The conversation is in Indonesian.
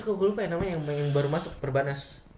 kok gue lupa ya namanya yang baru masuk perbanas